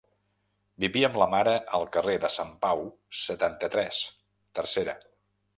Vivia amb la mare al carrer de Sant Pau, setanta-tres, tercera.